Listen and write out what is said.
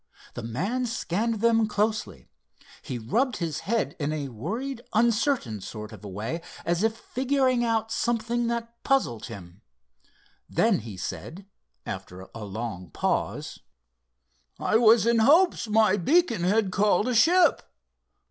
The man scanned them closely. He rubbed his head in a worried, uncertain sort of a way, as if figuring out something that puzzled him. Then he said, after a long pause: "I was in hopes my beacon had called a ship.